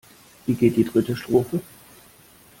Wie geht die dritte Strophe?